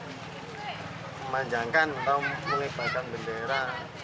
memanjangkan atau mengembangkan bendera